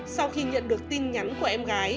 sau khi nhận được tin nhắn của em gái